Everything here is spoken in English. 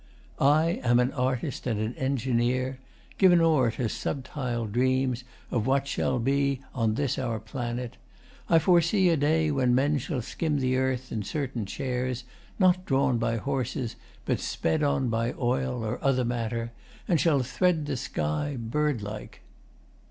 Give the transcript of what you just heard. I am an artist and an engineer, Giv'n o'er to subtile dreams of what shall be On this our planet. I foresee a day When men shall skim the earth i' certain chairs Not drawn by horses but sped on by oil Or other matter, and shall thread the sky Birdlike.